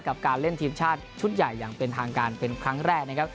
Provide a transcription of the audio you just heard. กับการเล่นทีมชาติชุดใหญ่อย่างเป็นทางการเป็นครั้งแรกนะครับ